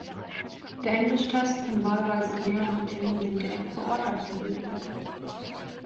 Der Englisch-Test kann wahlweise an mehreren Terminen direkt vor Ort absolviert werden.